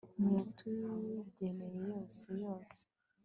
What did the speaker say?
muyatugeneye yose yose